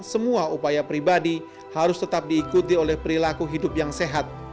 semua upaya pribadi harus tetap diikuti oleh perilaku hidup yang sehat